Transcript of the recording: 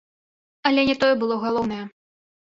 Але не тое было галоўнае.